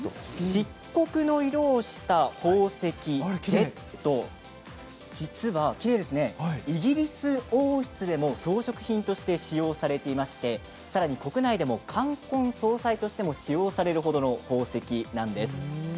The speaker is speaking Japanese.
漆黒の色をした宝石、ジェット実はイギリス王室でも装飾品として使用されていましてさらに国内でも冠婚葬祭としても使用されるほどの宝石なんです。